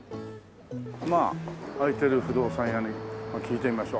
まあ開いてる不動産屋に聞いてみましょう。